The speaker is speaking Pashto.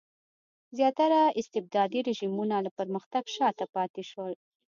زیاتره استبدادي رژیمونه له پرمختګ شاته پاتې شول.